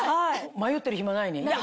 迷ってる暇ないね